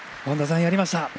本田さん、やりました。